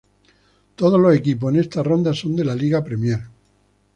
Todos los equipos en esta ronda son de la Liga Premier.